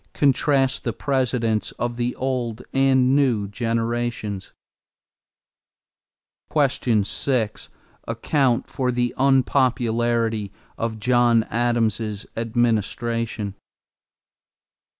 Contrast the Presidents of the old and the new generations. 6. Account for the unpopularity of John Adams' administration.